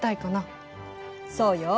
そうよ。